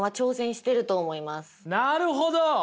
なるほど！